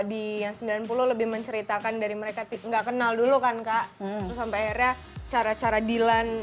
di yang sembilan puluh lebih menceritakan dari mereka enggak kenal dulu kan kak terus sampai akhirnya cara cara dilan